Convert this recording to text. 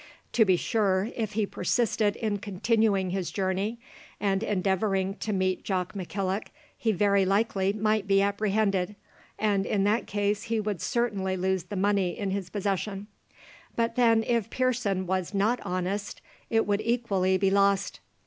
To be sure, if he persisted in continuing his journey, and endeavouring to meet Jock McKillock, he very likely might be apprehended, and in that case he would certainly lose the money in his possession; but then if Pearson was not honest, it would equally be lost.